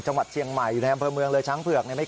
จังหวัดเชียงใหม่อยู่ในอำเภอเมืองเลยช้างเผือกเนี่ย